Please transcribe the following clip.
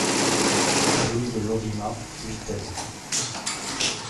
Rue de Lorima, Vittel